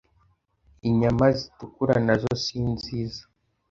Inyama zitukura nazo sinziza